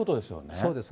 そうです。